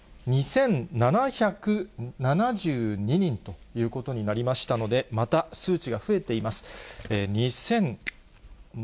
７月４日、２７７２人ということになりましたので、また数値が増えています。